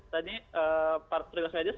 tadi petugas medis